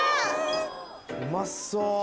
・うまそう。